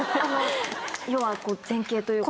要は前傾というか。